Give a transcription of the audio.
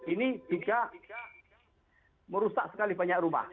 ini juga merusak sekali banyak rumah